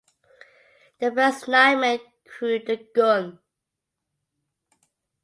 The first nine men crewed the gun.